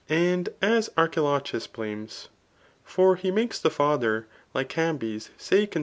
and as Archilochus .bh^nes. ,. For he makes the father [LycambesQ say con